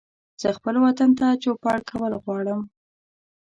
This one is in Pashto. زه خپل وطن ته چوپړ کول غواړم